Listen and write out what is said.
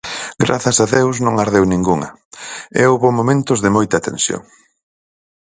Grazas a Deus non ardeu ningunha, e houbo momentos de moita tensión.